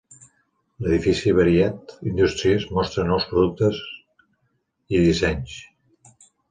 L"edifici Varied Industries mostra nous productes i dissenys.